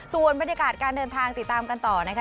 ส่วนบรรยากาศการเดินทางติดตามกันต่อนะคะ